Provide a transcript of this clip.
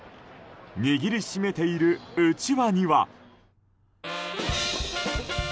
握り締めている、うちわには。